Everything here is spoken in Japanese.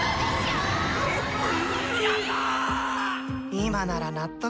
今なら納得。